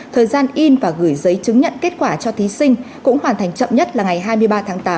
thời gian in và gửi giấy chứng nhận kết quả cho thí sinh cũng hoàn thành chậm nhất là ngày hai mươi ba tháng tám